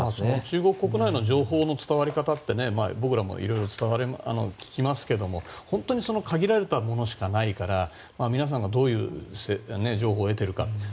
中国国内の情報の伝わり方って僕らもいろいろ聞きますけど本当に限られたものしかないから皆さんがどういう情報を得ているか